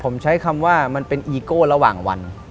ผมใช้คำว่ามันเป็นอีโก้ระหว่างวัน